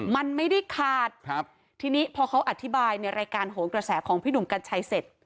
มันไม่ได้ขาดครับทีนี้พอเขาอธิบายในรายการโหนกระแสของพี่หนุ่มกัญชัยเสร็จ